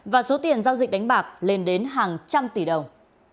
và số tiền giao dịch đánh bạc lên đến hàng trăm tỷ đồng